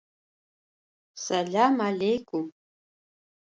Сэлам аллейкум!